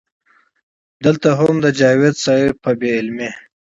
دلته هم د جاوېد صېب پۀ بې علمۍ